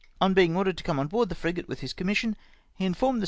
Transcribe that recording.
On being ordered to come on board the frigate with his commission, he informed the